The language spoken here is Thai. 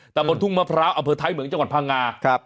มันถุงมะพร้าวอบเตอร์ไทยเหมือนจังหวัดพระงา